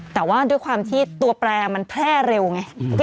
แต่ว่าด้วยความที่ตัวแปรมันแพร่เร็วไง